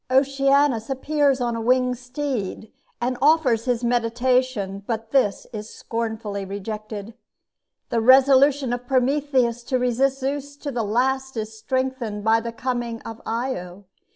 Oceanus appears upon a winged steed, and offers his mediation; but this is scornfully rejected. The resolution of Prometheus to resist Zeus to the last is strengthened by the coming of Io.